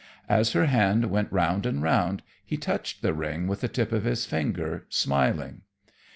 As her hand went round and round he touched the ring with the tip of his finger, smiling.